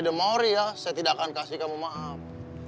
the maori ya saya tidak akan kasih kamu maaf